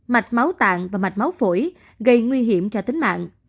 mạch máu tạng và mạch máu phổi gây nguy hiểm cho tính mạng